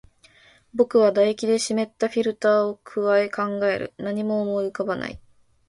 僕は唾液で湿ったフィルターを咥え、考える。何も思い浮かばない。